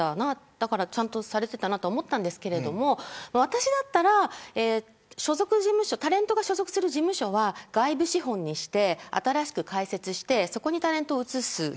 だから、ちゃんとされていたと思ったんですけど私だったらタレントが所属する事務所は外部資本にして、新しく開設してそこにタレントを移す。